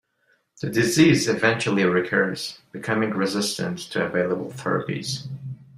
The disease eventually recurs, becoming resistant to available therapies.